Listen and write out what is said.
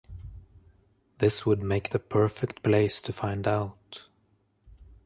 This would make the perfect place to find out.